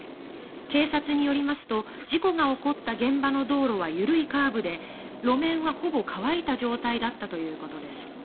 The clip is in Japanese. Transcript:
警察によりますと事故が起こった現場の道路は緩いカーブで路面は、ほぼ乾いた状態だったということです。